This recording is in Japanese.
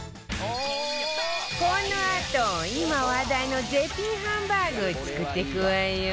このあと今話題の絶品ハンバーグ作っていくわよ